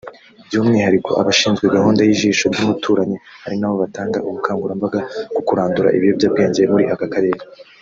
by’umwihariko abashinzwe gahunda y’ijisho ry’umuturanyi ari nabo batanga ubukangurambaga ku kurandura ibiyobyabwenge muri aka karere